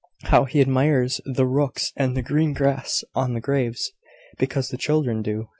How he admires the rooks and the green grass on the graves, because the children do!